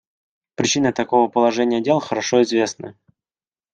Причины такого положения дел хорошо известны.